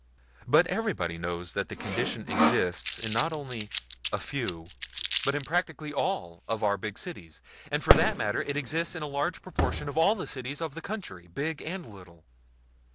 But everybody knows that the condition exists not only in "a few," but in practically all, of our big cities; and for that matter that it exists in a large proportion of all the cities of the country, big and little.